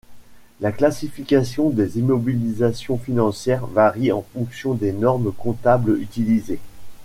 La classification des immobilisations financières varie en fonction des normes comptables utilisées.